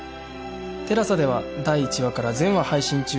ＴＥＬＡＳＡ では第１話から全話配信中